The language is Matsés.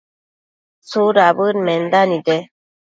¿tsudabëd menda nide ?